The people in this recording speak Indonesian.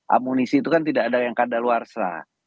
amunisi itu kan tidak ada yang kadaluarsa